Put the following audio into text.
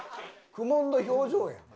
苦悶の表情やん。